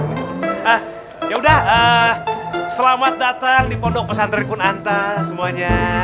hah ya udah selamat datang di pondok pesantren kunanta semuanya